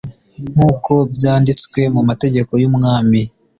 nk uko byanditswe mu mategeko y Umwami